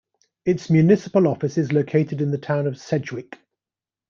Its municipal office is located in the Town of Sedgewick.